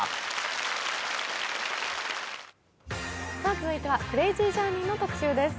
続いては「クレイジージャーニー」の特集です。